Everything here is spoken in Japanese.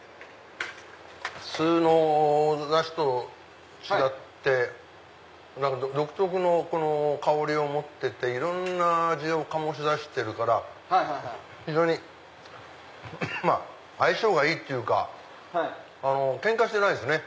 普通のダシと違って独特の香りを持ってていろんな味を醸し出してるから非常に相性がいいっていうかケンカしてないですね。